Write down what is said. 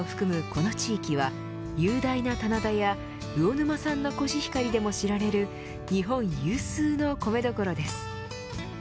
この地域は雄大な棚田や魚沼産のコシヒカリでも知られる日本有数の米どころです。